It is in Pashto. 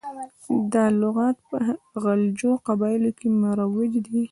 دا لغات په غلجو قبایلو کې مروج دی.